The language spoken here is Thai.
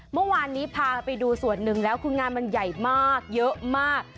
เมื่อวานนี้พาไปดูส่วนหนึ่งแล้วคืองานมันใหญ่มากเยอะมาก